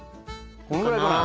このぐらいかな？